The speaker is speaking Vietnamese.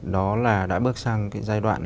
đó là đã bước sang cái giai đoạn